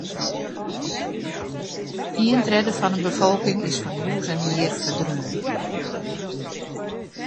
Ien tredde fan de befolking is fan hûs en hear ferdreaun.